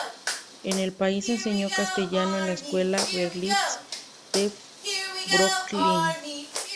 En el país enseñó castellano en la Escuela Berlitz de Brooklyn.